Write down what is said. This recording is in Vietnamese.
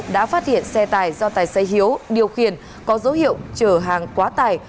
đã phát hiện xe tài do tài xế hiếu điều khiển có dấu hiệu chở hàng quá tài